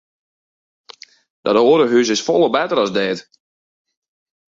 Dat oare hús is folle better as dit.